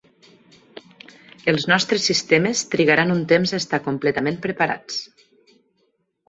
Els nostres sistemes trigaran un temps a estar completament preparats.